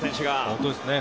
本当ですね。